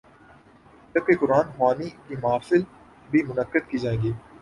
جب کہ قرآن خوانی کی محافل بھی منعقد کی جائیں گی۔